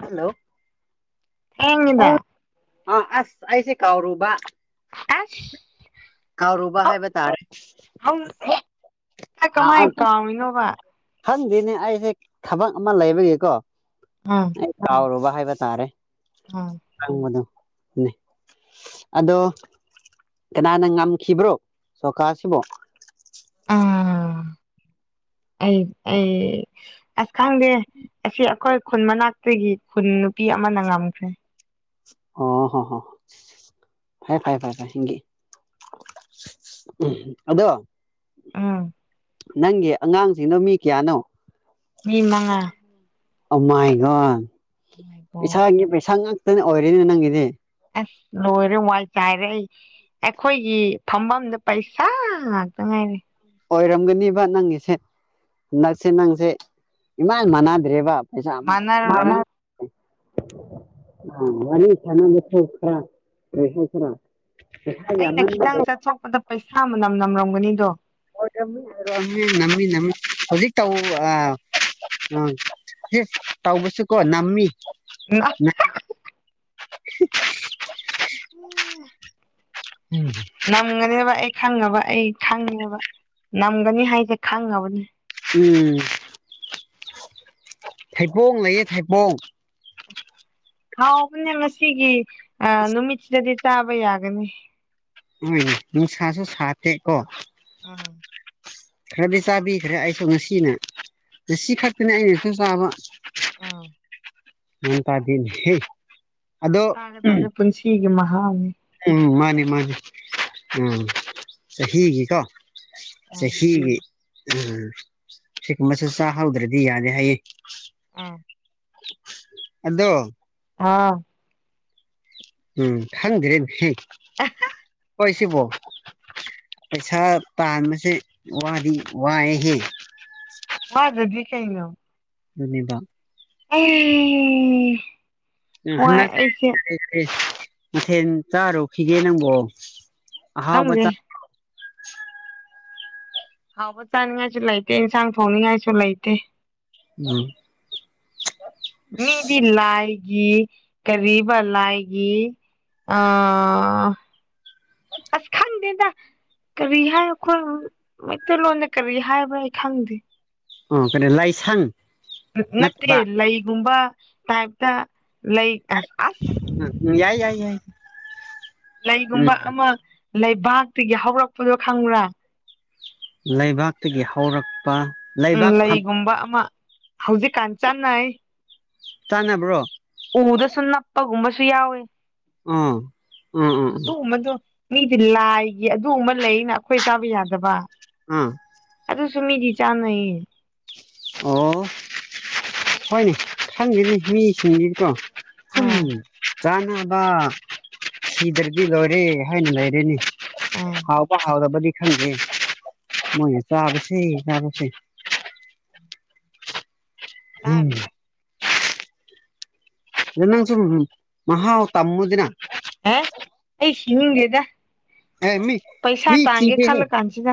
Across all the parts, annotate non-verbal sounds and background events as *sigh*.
Hello ꯊꯦꯡꯉꯤꯗ ꯑ ꯑꯁ ꯑꯩꯁꯦ ꯀꯥꯎꯔꯨꯕ ꯀꯥꯎꯔꯨꯕ ꯑ ꯍꯥꯏꯕ ꯇꯥꯔꯦ ꯍꯧ ꯑꯥ ꯀꯃꯥꯏꯅ ꯑꯗꯨꯝ ꯀꯥꯎꯃꯤꯅꯣꯕ ꯈꯪꯗꯦꯅꯦ ꯑꯩꯁꯦ ꯊꯕꯛ ꯑꯃ ꯂꯩꯕꯒꯤꯀꯣ ꯎꯝ ꯌꯥꯥꯎꯔꯣꯕꯕꯥ ꯍꯥꯏꯕ ꯇꯥꯔꯦ ꯍ ꯑ ꯑꯗꯣ ꯀꯅꯥꯅ ꯉꯝꯈꯤꯕ꯭ꯔꯣ ꯁꯣꯀꯥꯁꯤꯕꯨꯣ ꯑ ꯑꯩ ꯑꯩ ꯑꯁ ꯈꯪꯗꯦ ꯑꯁꯤ ꯑꯩꯈꯣꯏ ꯈꯨꯟ ꯃꯅꯥꯛꯇꯒꯤ ꯈꯨꯟ ꯅꯨꯄꯤ ꯑꯃꯅ ꯉꯝꯈ꯭ꯔꯦ ꯑꯣ ꯍ ꯍ ꯐꯔꯦ ꯐꯥꯏ ꯐꯥꯏ ꯐꯥꯏ ꯍ ꯎ ꯑꯗꯣ ꯑꯥ ꯅꯪꯒꯤ ꯑꯉꯥꯡꯁꯤꯡꯗꯣ ꯃꯤ ꯀꯌꯥꯅꯣ ꯃꯤ ꯃꯉꯥ ꯑꯃꯥꯏꯒꯣ ꯑꯣ ꯏꯁꯥꯒꯤ ꯄꯩꯁꯥ ꯉꯥꯛꯇꯅ ꯑꯣꯏꯔꯤꯅꯦ ꯅꯪꯒꯤꯗꯤ ꯑꯁ ꯅꯔ ꯃꯜ ꯆꯥꯔ ꯑꯩꯈꯣꯏꯒꯤ ꯐꯝꯐꯝꯗ ꯄꯩꯁꯥ ꯉꯥꯛꯇ ꯉꯥꯏꯔꯦ ꯑꯣꯏꯔꯝꯒꯅꯤꯕ ꯅꯪꯒꯤꯁꯦ ꯅꯛꯁꯦ ꯅꯪꯁꯦ ꯏꯃꯥꯟ ꯃꯥꯟꯅꯗ꯭ꯔꯦꯕ ꯑꯁꯥ *unintelligible* ꯑ ꯃꯅꯤ ꯆ ꯈ꯭ꯔ ꯐꯦꯁ꯭ꯔ ꯍꯥꯏ ꯌꯥꯝꯥꯡ ꯆ ꯄꯩꯁꯥ ꯃꯅꯝ ꯅꯝꯔꯝꯒꯅꯤꯗꯣ ꯃꯤ ꯅꯃꯤ ꯅꯃꯤ ꯍꯧꯖꯤꯛ ꯇꯎ ꯑ ꯑ ꯌꯦ ꯇꯥꯎꯕꯨꯁꯨ ꯀꯣ ꯅꯃꯤ ꯅ ꯎꯝ ꯅꯝꯒꯅꯦꯕ ꯑꯩ ꯈꯪꯉꯕ ꯑꯩ ꯈꯪꯉꯦꯕ ꯅꯝꯒꯅꯤ ꯍꯥꯏꯁꯦ ꯈꯪꯉꯕꯅꯤ ꯎꯝ ꯊꯩꯕꯣꯡ ꯂꯩꯌꯦ ꯊꯥꯏꯕꯣꯡ ꯍꯥꯎꯕꯅꯦ ꯉꯁꯤꯒꯤ ꯅꯨꯃꯤꯠꯁꯤꯗꯗꯤ ꯆꯥꯕ ꯌꯥꯒꯅꯤ ꯍꯣꯏꯅꯦ ꯅꯨꯡꯁꯥꯁꯨ ꯁꯥꯇꯦꯀꯣ ꯑ ꯈꯔꯗꯤ ꯆꯥꯕꯤꯈ꯭ꯔꯦ ꯑꯩꯁꯨ ꯉꯁꯤꯅꯦ ꯉꯁꯤ ꯈꯛꯇꯅꯦ ꯑꯩꯅꯁꯨ ꯆꯥꯕ ꯑꯥ ꯉ ꯇꯗꯅꯦ ꯍꯥꯏꯗꯗ꯭ꯔꯦ ꯄꯨꯟꯁꯤꯒꯤ ꯃꯍꯥ ꯎꯝ ꯃꯥꯅꯤ ꯃꯥꯅꯤ ꯎꯝ ꯍꯤꯒ ꯀꯣ ꯎꯝ ꯆꯍꯤ ꯍ ꯎꯝ ꯁꯤꯒꯨꯝꯕꯁꯨ ꯆꯥꯍꯧꯗ꯭ꯔꯗꯤ ꯌꯥꯅꯤꯦ ꯍꯥꯏꯌꯦ ꯑꯥ ꯑꯗꯣ ꯍꯥꯥ ꯎꯝ ꯊꯗꯔꯦ ꯀꯣꯏꯁꯤ ꯄꯣ ꯄꯩꯁꯥ ꯇꯥꯟꯕꯁꯦ ꯋꯥꯗꯤ ꯋꯥꯏꯑꯦꯍꯦ ꯃꯥ ꯑꯗꯨꯗꯤ ꯀꯅ ꯑꯗꯨꯅꯤꯕ *unintelligible* ꯋꯥꯏ ꯍꯟꯗꯛꯇꯦ ꯑꯩꯁꯦ ꯃꯊꯦꯜ ꯆꯥꯔꯨꯈꯤꯒꯦ ꯅꯪꯕꯣ ꯈꯪꯗꯦ ꯍꯥꯎꯕꯆꯥ ꯍꯥꯎꯕ ꯆꯥꯅꯤꯡꯉꯥꯏꯁꯨ ꯂꯩꯇꯦ ꯏꯟꯁꯥꯡ ꯊꯣꯡꯅꯤꯡꯉꯥꯏꯁꯨ ꯂꯩꯇꯦ ꯎꯝ ꯃꯤꯗꯤꯜꯂꯥꯏ ꯒꯤ ꯀꯔꯤꯕ ꯂꯥꯏꯒꯤ ꯑ ꯑꯁ ꯈꯪꯗꯦꯗ ꯀꯔꯤ ꯍꯥꯏ ꯑꯩꯈꯣꯏ ꯃꯩꯇꯩꯂꯣꯟꯅ ꯀꯔꯤ ꯍꯥꯏꯕ꯭ꯔꯣ ꯑꯩ ꯈꯪꯗꯦ ꯑꯣ ꯀꯩꯅꯣ ꯂꯥꯏꯁꯪ ꯅꯠꯇꯦ ꯅꯠꯇꯕ ꯂꯩꯒꯨꯝꯕ ꯇꯥꯏꯞꯇ ꯂꯩ ꯑꯁ ꯑꯁ ꯎꯝ ꯌꯥꯏ ꯌꯥꯏ ꯌꯥꯏ ꯂꯩꯒꯨꯝꯕ ꯎꯝ ꯑꯃ ꯂꯩꯕꯥꯛꯇꯒꯤ ꯍꯧꯔꯛꯄꯗꯣ ꯈꯪꯕ꯭ꯔꯥ ꯂꯩꯕꯥꯛꯇꯒꯤ ꯍꯧꯔꯛꯄ ꯎꯝ ꯂꯩꯕꯥꯛ ꯐꯝ ꯂꯩꯒꯨꯝꯕ ꯑꯃ ꯍꯧꯖꯤꯛꯀꯥꯟ ꯆꯥꯟꯅꯩ ꯆꯥꯟꯅꯕ꯭ꯔꯣ ꯎꯗꯁꯨ ꯅꯞꯄꯒꯨꯝꯕꯁꯨ ꯌꯥꯎꯋꯦ ꯑꯥ ꯎꯝ ꯎꯝ ꯎꯝ ꯑꯗꯨꯒꯨꯝꯕꯗꯣ ꯃꯤꯗꯤ ꯂꯥꯏꯒꯤ ꯑꯗꯨ ꯑꯃ ꯂꯩꯅ ꯑꯩꯈꯣꯏ ꯆꯥꯕ ꯌꯥꯗꯕ ꯑꯥ ꯑꯗꯨꯁꯨ ꯃꯤꯗꯤ ꯆꯥꯟꯅꯩꯌꯦ ꯑꯣ ꯍꯣꯏꯅꯦ ꯈꯪꯗꯦꯅꯤ ꯃꯤꯁꯤꯡꯕꯤꯗꯤꯀꯣ ꯁꯨꯝ ꯑꯥ ꯆꯥꯅꯕ ꯁꯤꯤꯗ꯭ꯔꯗꯤ ꯂꯧꯔꯦ ꯍꯥꯏꯅ ꯂꯩꯔꯅꯤ ꯑꯥ ꯍꯥꯎꯕ ꯍꯥꯎꯔꯕꯗꯤ ꯈꯪꯗꯦ ꯃꯣꯏꯅ ꯆꯥꯕꯁꯦ ꯆꯥꯕꯁꯦ ꯎꯝ ꯇꯥꯔꯤ ꯑꯗꯨꯁꯨ ꯃꯍꯍꯥꯎ ꯇꯃꯗꯅ ꯑꯦ ꯑꯩ ꯁꯤꯒꯦꯗ ꯑꯦ ꯃꯤ ꯃꯤ ꯁꯤꯗꯦ ꯍꯦ ꯈꯜꯂ ꯀꯥꯟꯁꯤꯗ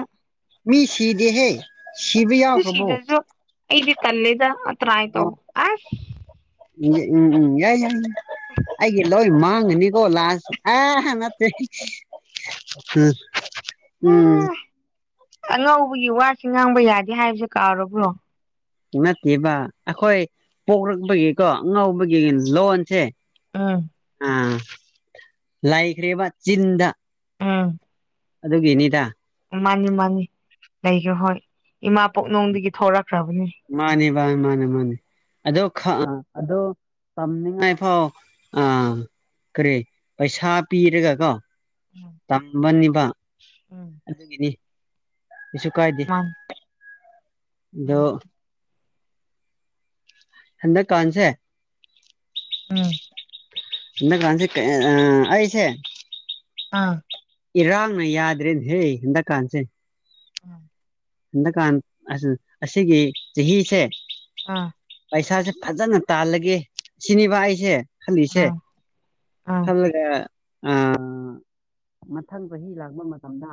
ꯃꯤ ꯁꯤꯤꯗꯦ ꯍꯦ ꯑꯗꯨ ꯁꯤꯖꯁꯨ ꯑꯩꯗꯤ ꯇꯂꯦꯗ ꯑ ꯇ ꯍꯥꯏꯥꯏ ꯇꯧ ꯑ ꯏ ꯎꯝ ꯏ ꯑꯩꯒꯤ ꯂꯣꯏ ꯃꯥꯡꯉꯅꯤꯀꯣ ꯂꯥꯁꯦ ꯑ ꯅꯠꯇꯦ ꯎꯝ ꯎꯝ ꯑꯉꯧꯕꯒꯤ ꯋꯥꯁꯤ ꯉꯥꯡꯕ ꯌꯥꯗꯦ ꯍꯥꯏꯕꯁꯦ ꯀꯥꯎꯔꯕ꯭ꯔꯣ ꯅꯠꯇꯦꯕ ꯑꯩꯈꯣꯏ ꯄꯣꯛꯂꯛꯄꯒꯤꯀꯣ ꯑꯉꯧꯕꯒꯤ ꯂꯣꯟꯁꯦ ꯑꯥ ꯑꯥ ꯂꯥꯏꯈ꯭ꯔꯦꯕ ꯆꯤꯟꯗ ꯑꯥ ꯑꯗꯨꯒꯤꯅꯤꯗ ꯃꯥꯅꯤ ꯃꯥꯅꯤ ꯂꯩꯈ꯭ꯔꯦ ꯍꯣꯏ ꯏꯃꯥ ꯄꯣꯛꯅꯨꯡꯗꯒꯤ ꯊꯣꯛꯣꯔꯛꯈ꯭ꯔꯕꯅꯦ ꯃꯥꯅꯤ ꯃꯥ ꯃꯥꯅꯦ ꯃꯥꯅꯦ ꯑꯗꯣ ꯑꯗꯣ ꯁꯝꯃꯤꯉꯥꯏ ꯐꯣ ꯑ ꯀꯔꯤ ꯄꯩꯁꯥ ꯄꯤꯔꯒ ꯀꯣ ꯎꯝ ꯇꯝꯕꯅꯤꯕ ꯎꯝ ꯑꯗꯨꯒꯤꯅꯤ ꯏꯁꯨ ꯀꯥꯏꯗꯦ ꯃꯥꯅꯤ ꯑꯗꯣ ꯃꯥꯅꯤ ꯊꯟꯗꯛ ꯀꯥꯟꯁꯦ ꯎꯝ ꯁꯤ ꯑ ꯑꯩꯁꯦ ꯑꯥ ꯏꯔꯥꯡꯅ ꯌꯥꯗ꯭ꯔꯦꯅꯦ ꯍꯦ ꯍꯟꯗ ꯀꯥꯟꯥꯟꯁꯦ ꯍꯟꯗꯀꯥꯟ ꯑꯁꯤꯒꯤ ꯆꯍꯤꯁꯦ ꯑꯥ ꯄꯩꯁꯥꯁꯦ ꯐꯖꯅ ꯇꯥꯜꯂꯒꯦ ꯁꯤꯅꯤꯕ ꯑꯩꯁꯦ ꯈꯜꯂꯤꯁꯦ ꯑꯥ ꯑꯥ ꯈ ꯃꯊꯪ ꯆꯍꯤ ꯂꯥꯛꯄ ꯃꯇꯝꯗ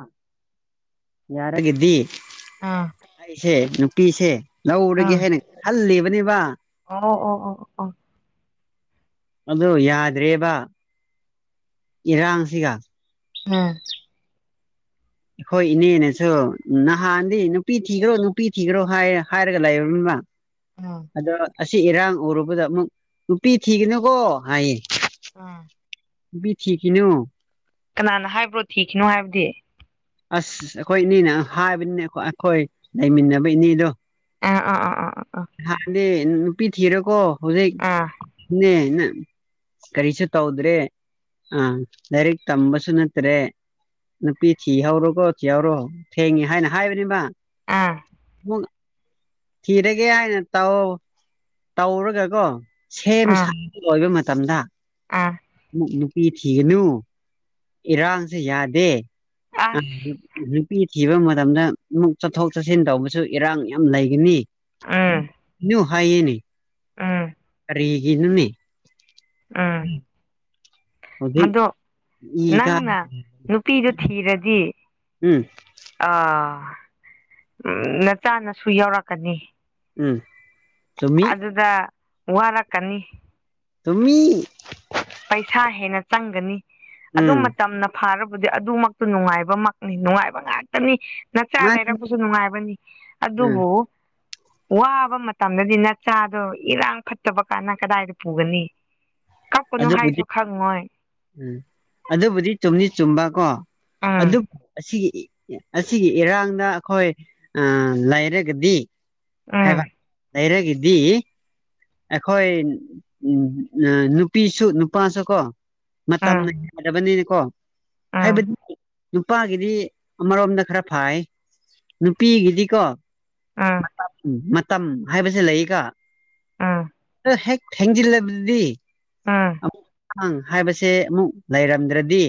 ꯌꯥꯔꯒꯗꯤ ꯑ ꯑꯩꯁꯦ ꯅꯨꯄꯤꯁꯦ ꯂꯧꯔꯒꯦ ꯑꯥ ꯍꯥꯏꯅ ꯈꯜꯂꯤꯕꯅꯦꯕ ꯑꯣ ꯑꯣ ꯑꯣ ꯑꯣ ꯑꯗꯨ ꯌꯥꯗ꯭ꯔꯦꯕ ꯏꯔꯥꯡ ꯁꯤꯒ ꯎꯝ ꯑꯩꯈꯣꯏ ꯏꯅꯦꯅꯁꯨ ꯅꯍꯥꯟꯗꯤ ꯅꯨꯄꯤ ꯊꯤꯈ꯭ꯔꯣ ꯅꯨꯄꯤ ꯊꯤꯈ꯭ꯔꯣ ꯍꯥꯏꯔꯒ ꯂꯩꯔꯕꯅꯤꯕ ꯑ ꯑꯗꯣ ꯑꯁꯤ ꯏꯔꯥꯡ ꯎꯔꯨꯕꯗ ꯑꯃꯨꯛ ꯅꯨꯄꯤ ꯊꯤꯒꯅꯨꯀꯣ ꯍꯥꯏꯌꯦ ꯑꯥ ꯕꯤꯊꯤ ꯀꯅꯣ ꯀꯅꯥꯅ ꯍꯥꯏꯕ꯭ꯔꯣ ꯊꯤꯈꯤꯅꯣ ꯍꯥꯏꯕꯗꯤ ꯑꯁ ꯑꯩꯈꯣꯏ ꯏꯅꯦꯅ ꯍꯥꯏꯕꯅꯤꯅꯦ ꯑꯩꯈꯣꯏ ꯂꯩꯃꯤꯟꯅꯕ ꯏꯅꯦꯗꯣ ꯑꯥ ꯑꯥ ꯑꯥ ꯑꯥ ꯑꯥ ꯑꯥ ꯍꯥꯟꯗꯤ ꯅꯨꯄꯤ ꯊꯤꯔꯦꯀꯣ ꯑꯥ ꯍꯧꯖꯤꯛꯅꯦ ꯀꯔꯤꯁ ꯇꯧꯗ꯭ꯔꯦ ꯑ ꯗꯏꯔꯦꯛ ꯇꯝꯕꯁꯨꯅꯠꯇ꯭ꯔꯦ ꯅ ꯄꯤ ꯊꯤꯍꯧꯔꯣꯀꯣ ꯊꯤꯍꯧꯔꯣ ꯊꯦꯡꯉꯦ ꯍꯥꯏꯅ ꯍꯥꯏꯕꯅꯤꯕ ꯑꯥ ꯊꯤꯔꯒꯦ ꯍꯥꯏꯅ ꯇ ꯇꯧꯔꯒ ꯀꯣ ꯁꯦꯝ ꯑꯥ ꯑꯥ ꯑꯥ ꯁꯥꯕ ꯂꯣꯏꯕ ꯃꯇꯝꯗ ꯑꯥ ꯑꯃꯨꯛ ꯅꯨꯄꯤ ꯊꯤꯒꯅꯨ ꯏꯔꯥꯡꯁꯦ ꯌꯥꯗꯦ ꯑꯥ ꯑꯁ ꯅꯨꯄꯤ ꯊꯤꯕ ꯃꯇꯝꯗ ꯑꯃꯨꯛ ꯆꯠꯊꯣꯛ ꯆꯠꯁꯤꯟ ꯇꯧꯕꯁꯨ ꯏꯔꯥꯡ ꯌꯥꯝ ꯂꯩꯒꯅꯤ ꯎꯝ ꯅ ꯍꯥꯏꯌꯦꯅꯤ ꯎꯝ ꯐꯒꯤꯅꯅꯦ ꯎꯝ ꯍꯧꯖꯤꯛ ꯃꯗꯣ ꯏ ꯀꯥ ꯅꯪꯅ ꯅꯨꯄꯤꯗꯨꯣ ꯊꯤꯔꯗꯤ ꯎꯝ ꯑꯥ ꯅꯆꯥꯅꯁꯨ ꯌꯥꯧꯔꯛꯀꯅꯤ ꯎꯝ ꯆꯃꯤ ꯑꯗꯨꯗ ꯋꯥꯔꯛꯀꯅꯤ ꯇꯝꯃꯤ ꯄꯩꯁꯥ ꯍꯦꯟꯅ ꯆꯪꯒꯅꯤ ꯑꯗꯨ ꯎꯝ ꯃꯇꯝꯅ ꯐꯥꯔꯕꯗꯤ ꯑꯗꯨꯃꯛꯇꯨ ꯅꯨꯡꯉꯥꯏꯕꯃꯛꯅꯤ ꯅꯨꯡꯉꯥꯏꯕ ꯉꯥꯛꯇꯅꯤ ꯅꯆꯥ ꯃꯥꯅꯤ ꯂꯩꯔꯛꯄꯁꯨ ꯅꯨꯡꯉꯥꯏꯕꯅꯤ ꯎꯝ ꯑꯗꯨꯕꯨ ꯋꯥꯕ ꯃꯇꯝꯗꯗꯤ ꯅ ꯆꯆꯥꯗꯣ ꯏꯔꯥꯡ ꯐꯠꯇꯕ ꯀꯥꯟꯅ ꯀꯗꯥꯏꯗ ꯄꯨꯒꯅꯤ ꯀꯩꯅꯣ ꯑꯗꯨꯕꯨꯗꯤ ꯍꯥꯏꯖꯈꯥ ꯅꯣꯏ ꯎꯝ ꯑꯗꯨꯕꯨꯗꯤ ꯆꯨꯝꯅꯤ ꯆꯨꯝꯕ ꯀꯣ ꯎꯝ ꯑꯗꯨꯕꯨ ꯑꯁꯤꯒꯤ ꯑꯁꯤꯒꯤ ꯏꯔꯥꯡꯗ ꯑꯩꯈꯣꯏ ꯂꯩꯔꯒꯗꯤ ꯍꯥꯏꯕ ꯎꯝ ꯩꯔꯒꯗꯗꯤ ꯑꯩꯈꯣꯏ ꯎ ꯅꯨꯄꯤꯁꯨ ꯅꯨꯄꯥꯁꯨ ꯀꯣ ꯎꯝ ꯃꯇꯝꯅ ꯌꯥꯦꯟꯗꯕꯅꯤꯅꯤꯀꯣ ꯎꯝ ꯍꯥꯏꯕꯗꯤ ꯅꯨꯄꯥꯒꯤꯗꯤ ꯑꯃꯔꯣꯝꯗ ꯈꯔ ꯐꯥꯏ ꯅꯨꯄꯤꯒꯤꯗꯤꯀꯣ ꯎꯝ ꯃꯇꯝ ꯍꯥꯏꯕꯁꯦ ꯂꯩꯌꯦꯀ ꯎꯝ ꯑꯗ ꯍꯦꯛ ꯊꯦꯡꯖꯤꯜꯂꯕꯗꯤ ꯎꯝ ꯑꯃꯨꯛ ꯍꯥꯏꯕꯁꯦ ꯑꯃꯨꯛ ꯂꯩꯔꯝꯗ꯭ꯔꯗꯤ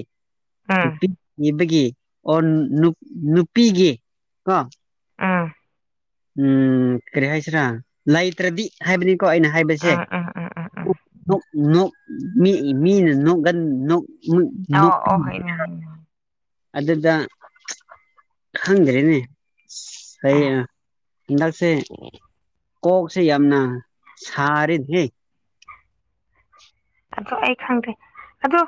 ꯎꯝ ꯅꯨꯄꯤ ꯄꯕꯒꯤ ꯑꯣ ꯅꯨꯄꯤꯒꯤ ꯀꯣ ꯎꯝ ꯎꯝ ꯀꯔꯤ ꯍꯥꯏꯁꯤꯔꯥ ꯂꯩꯇ꯭ꯔꯗꯤ ꯍꯥꯏꯕꯅꯤꯀꯣ ꯑꯩꯅ ꯍꯥꯏꯕꯁꯦ ꯎꯝ ꯎꯝ ꯎꯝ ꯎꯝ ꯎꯝ ꯃꯤ ꯃꯤ ꯑꯣ ꯑꯣ ꯍꯣꯏꯅꯦ ꯅ ꯍꯣꯏꯅꯦ ꯑꯗꯨꯗ ꯈꯪꯗ꯭ꯔꯦꯅꯦ ꯑꯁ ꯍꯌꯦꯡꯥ ꯍꯟꯗꯛꯁꯦ ꯀꯣꯛꯁꯦ ꯌꯥꯝꯅ ꯁꯥꯔꯤꯗꯤꯦ ꯑ ꯑꯩ ꯈꯪꯗꯦ ꯑꯗꯨ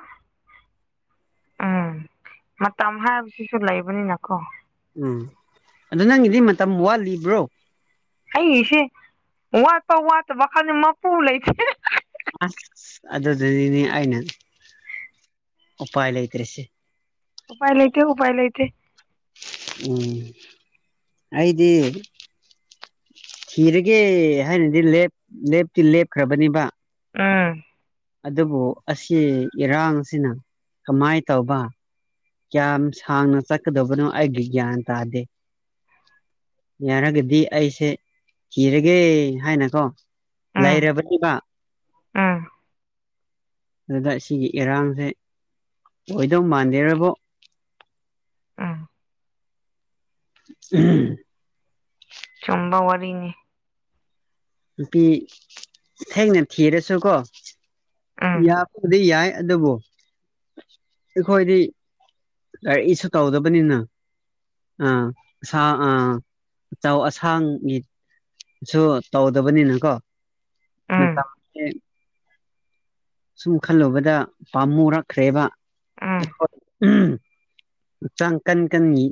ꯎꯝ ꯃꯇꯝ ꯍꯥꯏꯕꯁꯤꯁꯨ ꯂꯩꯕꯅꯤꯅꯀꯣ ꯎꯝ ꯑꯗꯨꯗ ꯅꯪꯒꯤꯗꯤ ꯃꯇꯝ ꯋꯥꯠꯂꯤꯕ꯭ꯔꯣ ꯑꯩꯁꯦ ꯋꯥꯠꯄ ꯋꯥꯠꯇꯕ ꯈꯜꯗꯦ ꯃꯄꯨ ꯂꯩꯇꯦ ꯑꯁꯁ ꯑꯗꯨꯗꯨꯅꯤꯅꯦ ꯑꯩꯅ ꯎꯄꯥꯏ ꯂꯩꯇ꯭ꯔꯁꯦ ꯎꯄꯥꯥꯏ ꯂꯩꯇꯦ ꯎꯄꯥꯥꯏ ꯂꯩꯇꯦ ꯎꯝ ꯑꯩꯗꯤ ꯊꯤꯔꯒꯦ ꯍꯥꯏꯅꯗꯤ ꯂꯦꯞ ꯂꯦꯞꯇꯤ ꯂꯦꯞꯈ꯭ꯔꯕꯅꯤꯕ ꯎꯝ ꯑꯗꯨꯕꯨ ꯑꯁꯤ ꯏꯔꯥꯡꯁꯤꯅ ꯀꯃꯥꯏꯅ ꯇꯧꯕ ꯀꯌꯥꯝ ꯁꯥꯡꯅ ꯆꯠꯀꯗꯕꯅꯣ ꯑꯩꯒꯤ ꯒ꯭ꯌꯥꯟ ꯇꯥꯗꯦ꯫ ꯌꯥꯔꯒꯗꯤ ꯑꯩꯁꯦ ꯀꯤꯔꯒꯦ ꯍꯥꯏꯅꯀꯣ꯫ ꯎꯝ ꯂꯩꯔꯕꯅꯦꯕ꯫ ꯎꯝ ꯑꯗꯨꯗ ꯁꯤꯒꯤ ꯑꯦꯔꯥꯡꯁꯦ꯫ ꯑꯣꯏꯗꯧ ꯃꯥꯟꯗꯦꯔꯕꯣ꯫ ꯎꯝ ꯎꯝ꯫ ꯆꯨꯝꯕ ꯋꯥꯔꯤꯅꯤ꯫ ꯅꯨꯄꯤ ꯊꯦꯡꯅ ꯊꯤꯔꯁꯨꯀꯣ꯫ ꯎꯝ ꯌꯥꯄꯗꯤ ꯌꯥꯏ ꯑꯗꯨꯕꯨ ꯑꯩꯈꯣꯏꯗꯤ__ ꯂꯏꯁꯨ ꯇꯧꯗꯕꯅꯤꯅ꯫ ꯑꯥ ꯑꯁ ꯑꯥ ꯆꯥꯎ ꯑꯁꯥꯡꯒꯤ__ ꯁꯨ ꯇꯧꯗꯕꯅꯤꯅ ꯀꯣ ꯎꯝ ꯃꯇꯝ__ ꯁꯨꯝ ꯈꯜꯂꯨꯕꯗ ꯄꯥꯝꯃꯣꯔꯛꯈ꯭ꯔꯦꯕ ꯎꯝ ꯑꯩꯈꯣꯏ꯫ ꯍꯛꯆꯥꯡ ꯀꯟ ꯀꯟꯒꯤ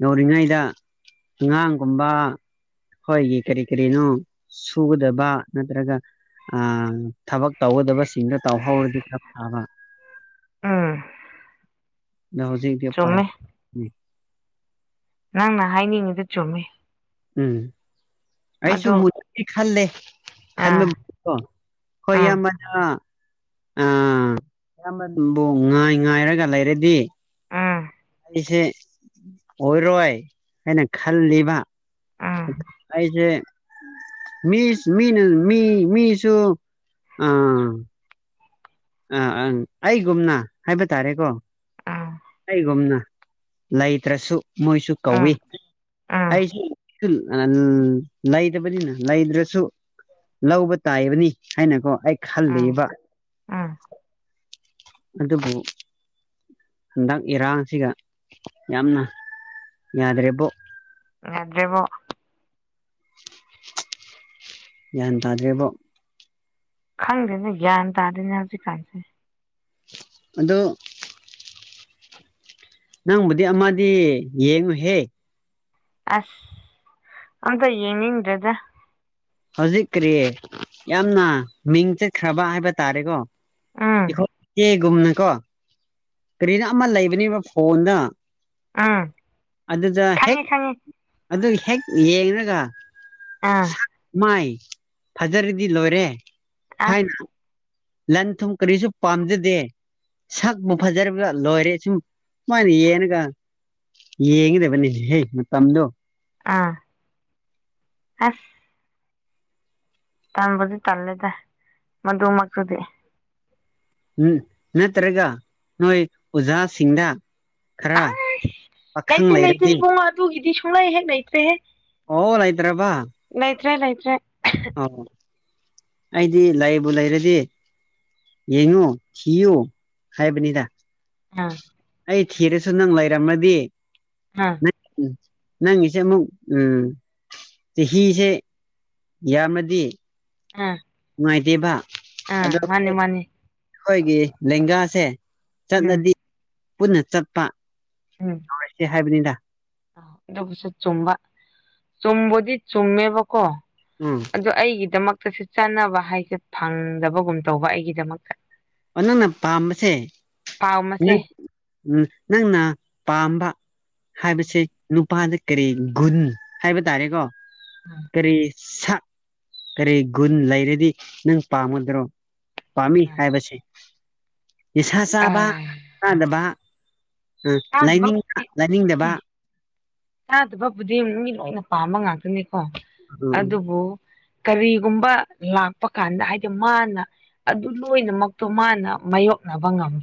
ꯅꯧꯔꯤꯉꯩꯗ꯫ ꯑꯉꯥꯡꯒꯨꯝꯕ꯫ ꯍꯣꯏꯒꯤ ꯀꯔꯤ ꯀꯔꯤꯅꯣ ꯁꯨꯒꯗꯕ ꯅꯠꯇ꯭ꯔꯒ꯫ ꯇꯧꯒꯗꯕꯁꯤꯡꯗ ꯇꯧꯍꯧꯔꯗꯤ ꯈꯔ ꯐꯥꯕ꯫ ꯎꯝ ꯌꯥ ꯍꯧꯖꯤꯗꯤ ꯄꯥꯏ꯫ ꯆꯨꯝꯃꯦ ꯅꯪꯅ ꯍꯥꯏꯅꯤꯡꯉꯤꯗꯨ ꯆꯨꯝꯃꯤ꯫ ꯎꯝ ꯑꯩꯁꯨ ꯃꯗꯨ ꯃꯨꯦ ꯈꯜꯂꯦ ꯈꯟꯕ__ ꯑꯥ ꯑꯣ ꯍꯣꯏ ꯑꯥ ꯌꯥꯝꯌꯥꯝꯕꯅ꯫ ꯑꯥ ꯑꯌꯥꯝꯕꯕꯨ ꯉꯥꯏ ꯉꯥꯏꯔꯒ ꯂꯩꯔꯗꯤ꯫ ꯎꯝ ꯑꯩꯁꯦ ꯑꯣꯏꯔꯣꯏ ꯍꯥꯏꯅ ꯈꯜꯂꯤꯕ꯫ ꯎꯝ ꯑꯩꯁꯦ꯫ ꯃꯤ ꯃꯤꯅ ꯃꯤ ꯃꯤꯁꯨ ꯑ__ ꯑꯥ ꯑꯪ ꯑꯩꯒꯨꯝꯅ ꯍꯥꯏꯕ ꯇꯥꯔꯦꯀꯣ꯫ ꯎꯝ ꯀꯩꯒꯨꯝꯅ ꯂꯩꯇ꯭ꯔꯁꯨ꯫ ꯃꯣꯏꯁꯨ ꯎꯝ ꯀꯧꯏ ꯎꯝ ꯑꯩꯁꯨ ꯂꯩꯕꯅꯤꯅ__ ꯂꯩꯗ꯭ꯔꯁꯨ ꯂꯧꯕ ꯇꯥꯏꯕꯅꯤ ꯍꯥꯏꯅꯀꯣ ꯑꯩ ꯈꯜꯂꯤꯕ꯫ ꯑꯥ꯫ ꯑꯗꯨꯕꯨ꯫ ꯍꯟꯗꯛ ꯏꯔꯥꯡꯁꯤꯒ ꯌꯥꯝꯅ ꯌꯥꯗ꯭ꯔꯦꯔꯤꯕꯣ꯫ ꯌꯥꯗ꯭ꯔꯦꯕꯣ꯫ ꯒ꯭ꯌꯥꯟ ꯇꯥꯗ꯭ꯔꯤꯕ꯫ ꯈꯪꯗꯦꯅꯦ ꯒ꯭ꯌꯥꯟ ꯇꯥꯗꯦꯅꯦ ꯍꯧꯖꯤꯛꯀꯥꯟꯁꯦ꯫ ꯑꯗꯣ ꯅꯪꯕꯨꯗꯤ ꯑꯃꯗꯤ ꯌꯦꯡꯉꯨꯍꯦ꯫ ꯑꯁ ꯑꯝꯇ ꯌꯦꯡꯅꯤꯡꯗ꯭ꯔꯦꯗ꯫ ꯍꯧꯖꯤꯛ ꯀꯔꯤ ꯌꯥꯝꯅ ꯃꯤꯡ ꯆꯠꯈ꯭ꯔꯕ ꯍꯥꯏꯕ ꯇꯥꯔꯦꯀꯣ꯫ ꯎꯝ ꯏꯈꯣ ꯑꯦꯒꯨꯝꯅ ꯀꯣ꯫ ꯀꯔꯤꯅ ꯑꯃ ꯂꯩꯕꯅꯦꯕ ꯐꯣꯟꯗ꯫ ꯎꯝ ꯑꯗꯨꯗ ꯍꯦꯛ ꯈꯪꯉꯦ ꯈꯪꯉꯦ ꯑꯗꯨ ꯍꯦꯛ ꯌꯦꯡꯒ꯫ ꯑꯥ ꯃꯥꯏ ꯐꯖꯔꯗꯤ ꯂꯣꯏꯔꯦ ꯑꯁ ꯍꯥꯏꯅ꯫ ꯂꯟ ꯊꯨꯝ ꯀꯔꯤꯁꯨ ꯄꯥꯝꯖꯗꯦ꯫ ꯁꯛꯄꯨ ꯐꯖꯔꯕꯒ ꯂꯣꯏꯔꯦ ꯁꯨꯝ ꯁꯨꯃꯥꯏꯅ ꯌꯦꯅꯒ꯫ ꯌꯦꯡꯉꯗꯦꯕꯅꯤ ꯍ ꯃꯝꯣ꯫ ꯑꯥ ꯑꯁ꯫ ꯇꯟꯕꯨꯗꯤ ꯇꯜꯂꯦꯗ ꯃꯗꯨꯃꯛꯇꯨꯗꯤ꯫ ꯎ ꯅꯠꯇ꯭ꯔꯒ ꯅꯣꯏ ꯑꯣꯖꯥꯁꯤꯡꯗ꯫ ꯈꯔ ꯑꯥ ꯄꯥꯈꯪ ꯂꯩꯔꯗꯤ꯫ ꯗꯨ ꯒꯤꯗꯤ ꯁꯨꯡꯂꯦꯏ ꯍꯦꯛ ꯂꯦꯏꯠꯔꯦ ꯍꯦ ꯑꯣꯣ ꯂꯥꯏꯇ꯭ꯔꯕ ꯂꯩꯇ꯭ꯔꯦ ꯂꯩꯇ꯭ꯔꯦ ꯑꯣ ꯑꯩꯗꯤ ꯂꯥꯛꯑꯕꯨ ꯂꯩꯔꯗꯤ ꯌꯦꯡꯉꯨ ꯊꯤꯌꯨ ꯍꯥꯏꯕꯅꯤꯗ ꯑꯥ ꯑꯩ ꯊꯔꯁꯨ ꯅꯪ ꯂꯩꯔꯝꯃꯗꯤ inaudible ꯪ ꯅꯪꯒꯤꯁꯦ ꯑꯃꯨꯛ ꯎꯝ ꯆꯍꯤꯁꯦ ꯌꯥꯝꯃꯗꯤ ꯑꯥ ꯅꯨꯡꯉꯥꯏꯇꯦꯕ ꯑꯥ ꯑꯗꯣ ꯃꯥꯅꯤ ꯃꯥꯅꯤ ꯑꯩꯈꯣꯏꯒꯤ ꯂꯦꯡꯒꯥꯁꯦ ꯎꯝ ꯆꯠꯂꯗꯤ ꯄꯨꯟꯅ ꯆꯠꯄ ꯎꯝ ꯍꯥꯏꯕꯅꯤꯗ ꯑꯗꯨꯕꯨꯁꯨ ꯆꯨꯝꯕ ꯆꯨꯝꯕꯨꯗꯤ ꯆꯨꯝꯃꯦꯕꯀꯣ ꯎꯝ ꯑꯗꯣ ꯑꯩꯒꯤꯗꯃꯛꯇꯁꯨ ꯆꯥꯟꯅꯕ ꯍꯥꯏꯁꯦ ꯐꯪꯗꯕꯒꯨꯝ ꯇꯧꯕ ꯑꯩꯒꯤꯗꯃꯛꯇ ꯑꯣ ꯅꯪꯅ ꯄꯥꯝꯕꯁꯦ ꯄꯥꯎ ꯃꯁꯦ ꯎꯝ ꯅꯪꯅ ꯄꯥꯝꯕ ꯎꯝ ꯍꯥꯏꯕꯁꯦ ꯅꯨꯄꯥꯗ ꯀꯔꯤ ꯒꯨꯟ ꯍꯥꯏꯕ ꯇꯥꯔꯦꯀꯣ ꯀꯔꯤ ꯁꯥꯛ ꯀꯔꯤ ꯒꯨꯟ ꯂꯩꯔꯗꯤ ꯅꯪ ꯄꯥꯝꯃꯗ꯭ꯔꯣ ꯄꯥꯃꯤ ꯍꯥꯏꯕꯁꯦ ꯅꯤꯁꯥ ꯑ ꯆꯥꯕ ꯆꯥꯗꯕ ꯎ ꯆꯥꯗꯕ ꯂꯥꯏꯅꯤꯡꯕ ꯂꯥꯏꯅꯤꯡꯗꯕ ꯆꯥꯗꯕꯕꯨꯗꯤ ꯃꯤ ꯂꯣꯏꯅ ꯄꯥꯝꯕ ꯉꯥꯛꯇꯅꯤꯀꯣ ꯎꯝ ꯑꯗꯨꯕꯨ ꯀꯔꯤꯒꯨꯝꯕ ꯂꯥꯛꯄ ꯀꯥꯟꯗ ꯍꯥꯏꯗꯤ ꯃꯥꯅ ꯑꯗꯨ ꯂꯣꯏꯅꯃꯛꯇꯣ ꯃꯥꯅ ꯃꯥꯌꯣꯛꯅꯕ ꯉꯝꯕ